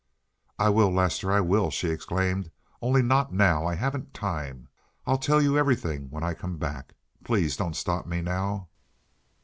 "I will, Lester, I will," she exclaimed. "Only not now. I haven't time. I'll tell you everything when I come back. Please don't stop me now."